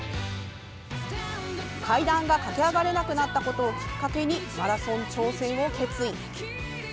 階段が駆け上がれなくなったことをきっかけにマラソン挑戦を決意。